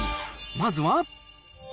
まずは。